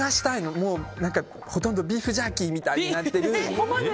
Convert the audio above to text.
ビーフジャーキーみたいになってる。